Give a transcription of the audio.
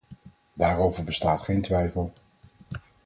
Daarover bestaat geen twijfel.